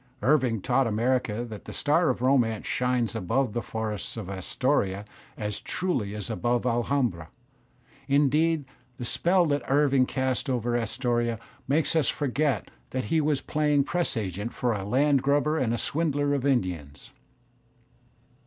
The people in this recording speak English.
Irving taught America that the star of romance shines above the forests of Astoria as truly as above Alhambra; indeed the spell that Irving casts over Astoria makes us forget that he was playing press agent for a land grabber and a swindler of Indians.